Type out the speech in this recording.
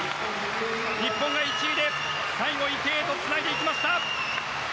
日本が１位で最後、池江へとつないでいきました。